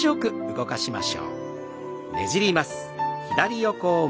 ねじります。